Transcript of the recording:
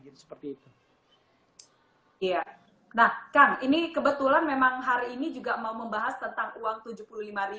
nah kang ini kebetulan memang hari ini juga mau membahas tentang uang tujuh puluh lima ribu ini